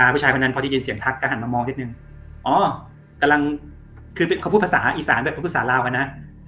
ให้ป่าชิ้นเท่านั้นพอที่ได้เสียงทักก็หันอ่ะมองนิดนึงออกกำลังก็พูดภาษาอีสานได้ปรุษนราวอ่ะนะ